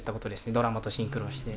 ドラマとシンクロして。